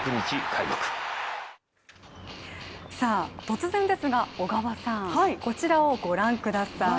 突然ですが小川さん、こちらを御覧ください。